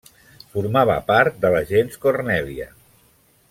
Formava part de la gens Cornèlia.